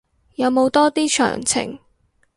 有冇多啲詳情